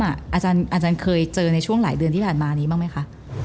อาจารย์เคยเจอในช่วงหลายเดือนที่ผ่านมานี้บ้างไหมคะ